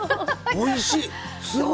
おいしい！